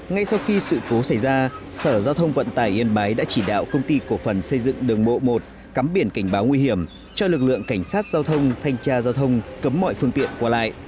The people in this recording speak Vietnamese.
ngay sau khi sự cố xảy ra sở giao thông vận tải yên bái đã chỉ đạo công ty cổ phần xây dựng đường bộ một cắm biển cảnh báo nguy hiểm cho lực lượng cảnh sát giao thông thanh tra giao thông cấm mọi phương tiện qua lại